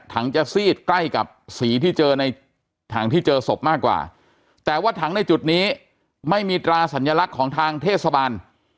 จะซีดใกล้กับสีที่เจอในถังที่เจอศพมากกว่าแต่ว่าถังในจุดนี้ไม่มีตราสัญลักษณ์ของทางเทศบาล